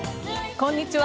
こんにちは。